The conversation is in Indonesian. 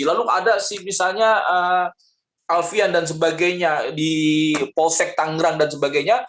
lalu ada si misalnya alfian dan sebagainya di posec tanggrang dan sebagainya